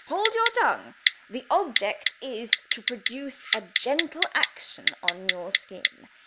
Hold your tongue. The object is to produce a gentle action on your skin.